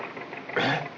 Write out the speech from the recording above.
えっ？